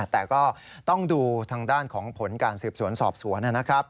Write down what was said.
แต่ก็ต้องดูทางด้านของผลการสืบสวนสอบสวนนะครับ